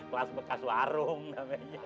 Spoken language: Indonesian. kelas bekas warung namanya